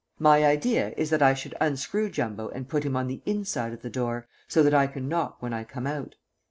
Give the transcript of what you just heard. My idea is that I should unscrew Jumbo and put him on the inside of the door, so that I can knock when I come out.